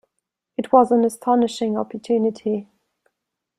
It was an astonishing opportunity.